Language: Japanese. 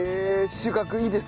収穫いいですか？